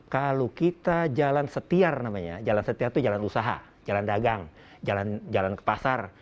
kalau kita jalan setiar namanya jalan setiar itu jalan usaha jalan dagang jalan ke pasar